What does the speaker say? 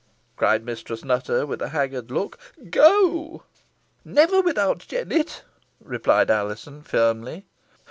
cried Mistress Nutter, with a haggard look. "Go!" "Never, without Jennet," replied Alizon, firmly.